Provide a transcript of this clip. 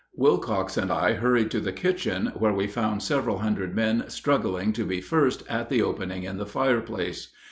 Wilcox and I hurried to the kitchen, where we found several hundred men struggling to be first at the opening in the fireplace.